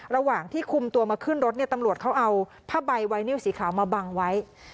ระหว่างที่คุมตัวมาขึ้นรถเนี่ยตำรวจเขาเอาผ้าใบไวนิวสีขาวมาบังไว้